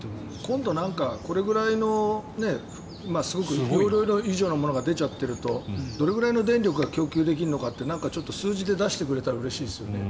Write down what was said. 今度、これくらいの想像以上のものが出ちゃうとどれぐらいの電力が供給できるのかって数字で出してくれたらうれしいですね。